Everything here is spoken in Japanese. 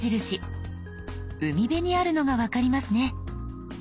海辺にあるのが分かりますね。